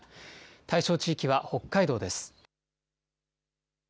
対象地域は北海道です。